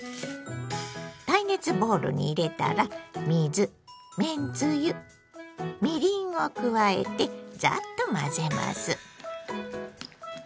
耐熱ボウルに入れたら水めんつゆみりんを加えてザッと混ぜます。